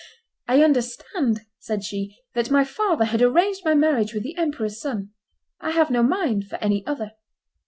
"I understand," said she, "that my father had arranged my marriage with the emperor's son; I have no mind for any other."